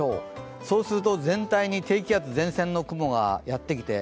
全体に低気圧前線の雲がやってきて